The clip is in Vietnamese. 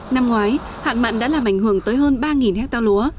năm ngoái hạn mặn đã làm ảnh hưởng tới hơn ba hectare lúa